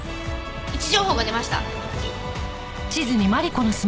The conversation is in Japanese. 位置情報が出ました。